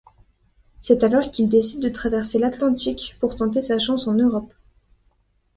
C'est alors qu'il décide de traverser l'Atlantique pour tenter sa chance en Europe.